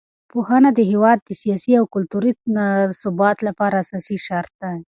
پوهنه د هېواد د سیاسي او کلتوري ثبات لپاره اساسي شرط دی.